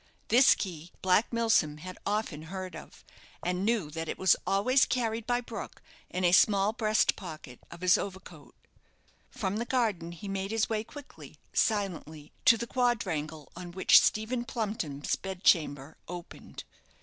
This key Black Milsom had often heard of, and knew that it was always carried by Brook in a small breast pocket of his overcoat. From the garden he made his way quickly, silently, to the quadrangle on which Stephen Plumpton's bed chamber opened.